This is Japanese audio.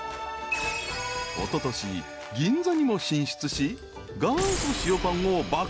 ［おととし銀座にも進出し元祖塩パンを爆安で販売］